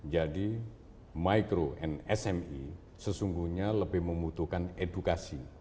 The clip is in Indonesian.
jadi micro dan sme sesungguhnya lebih membutuhkan edukasi